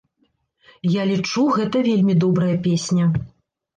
Я лічу, гэта вельмі добрая песня.